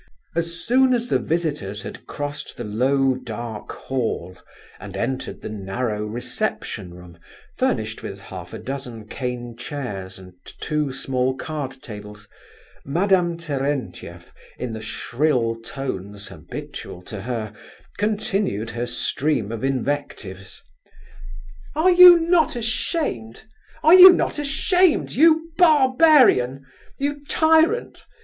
As soon as the visitors had crossed the low dark hall, and entered the narrow reception room, furnished with half a dozen cane chairs, and two small card tables, Madame Terentieff, in the shrill tones habitual to her, continued her stream of invectives. "Are you not ashamed? Are you not ashamed? You barbarian! You tyrant!